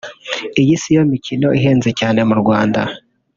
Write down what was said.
Iyi si yo mikino ihenze cyane mu Rwanda gusa